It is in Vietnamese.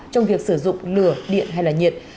trong việc sử dụng lửa điện hay là nhiệt